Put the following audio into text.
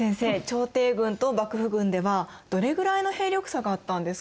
朝廷軍と幕府軍ではどれくらいの兵力差があったんですか？